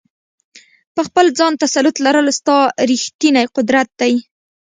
په خپل ځان تسلط لرل ستا ریښتینی قدرت دی.